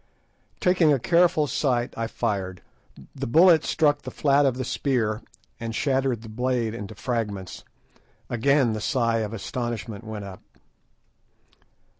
Taking a careful sight I fired. The bullet struck the flat of the spear, and shattered the blade into fragments. Again the sigh of astonishment went up.